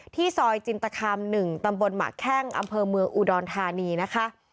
ซอยจินตคาม๑ตำบลหมาแข้งอำเภอเมืองอุดรธานีนะคะ